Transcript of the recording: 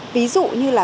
ví dụ như là